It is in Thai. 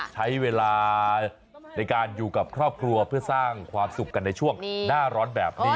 ใช้เวลาในการอยู่กับครอบครัวเพื่อสร้างความสุขกันในช่วงหน้าร้อนแบบนี้